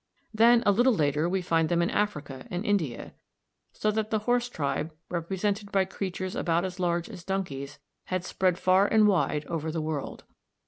Then a little later we find them in Africa and India; so that the horse tribe, represented by creatures about as large as donkeys, had spread far and wide over the world.